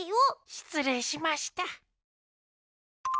しつれいしました。